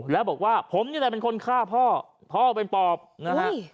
แล้วบอกว่าผมนี่แหละเป็นคนฆ่าพ่อพ่อเป็นปอบนะฮะ